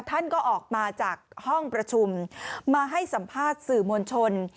ท่านก็ออกมาจากห้องประชุมมาให้สัมภาษณ์สื่อมวลชน